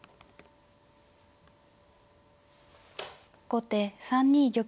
後手３二玉。